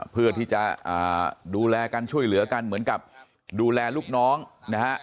เพื่อที่จะดูแลกันช่วยเหลือกันเหมือนกับดูแลลูกน้องนะฮะ